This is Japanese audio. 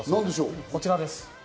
こちらです。